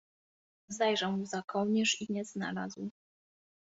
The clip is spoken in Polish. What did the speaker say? Zajrzał mu za kołnierz i nie znalazł.